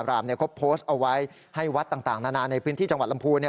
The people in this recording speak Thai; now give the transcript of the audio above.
รัชดาบรามเขาโพสต์เอาไว้ให้วัดต่างในพื้นที่จังหวัดลำพูน